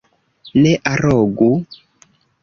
Ne arogu!